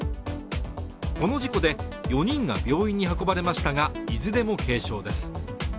この事故で４人が病院に運ばれましたが、いずれも軽傷です。